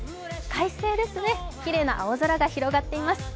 快晴ですね、きれいな青空が広がっています。